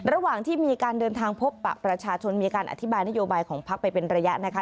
ระหว่างที่มีการเดินทางพบปะประชาชนมีการอธิบายนโยบายของพักไปเป็นระยะนะคะ